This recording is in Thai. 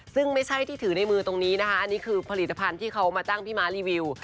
ซึ่งไม่ใช่ที่ถือในมือตรงนี้นะคะอันนี้คือผลิตภัณฑ์ที่เขามาจ้างพี่ม้ารีวิว